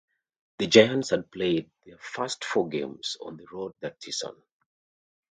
The Giants had played their first four games on the road that season.